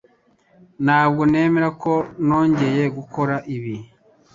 Ntabwo nemera ko nongeye gukora ibi.